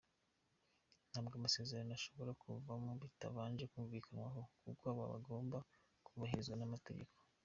Ntabwo amasezerano ashobora kuvaho bitabanje kumvikanwaho kuko aba agomba kubahirizwa n’amategeko".